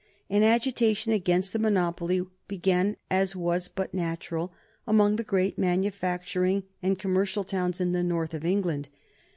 An agitation against the monopoly began, as was but natural, among the great manufacturing and commercial towns in the North of England.